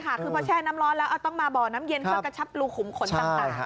คือพอแช่น้ำร้อนแล้วต้องมาบ่อน้ำเย็นเพื่อกระชับรูขุมขนต่าง